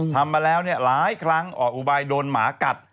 ทำมาแล้วหลายครั้งออกอุบายโดนหมากัด